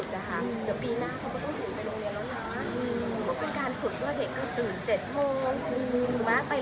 ดีสไตล์